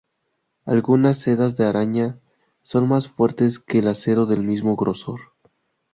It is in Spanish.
Algunas sedas de araña son más fuertes que el acero del mismo grosor.